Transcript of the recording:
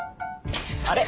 あれ？